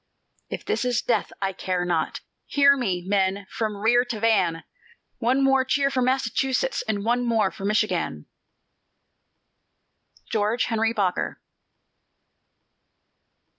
"If this is death, I care not! Hear me, men, from rear to van! One more cheer for Massachusetts, And one more for Michigan!" GEORGE HENRY BOKER.